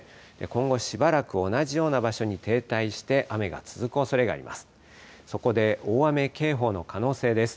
今後しばらく同じような場所に停滞して、雨が続くおそれがあります。